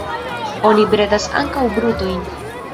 Oni bredas ankaŭ brutojn.